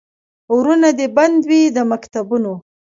ورونه دي بند وي د مکتبونو